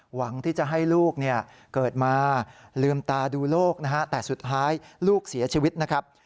หวังที่จะให้ลูกเนี่ยเกิดมาลืมตาดูโลกนะฮะแต่สุดท้ายลูกเสียชีวิตนะครับ